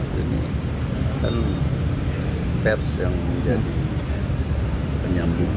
dan pers yang menjadi penyambung